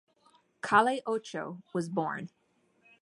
Calle Ocho was born.